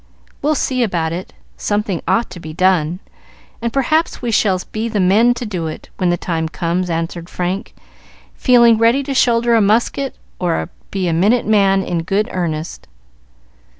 "We'll see about it. Something ought to be done, and perhaps we shall be the men to do it when the time comes," answered Frank, feeling ready to shoulder a musket or be a minute man in good earnest.